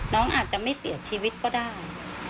น้องอาจจะไม่เสียชีวิตก็ได้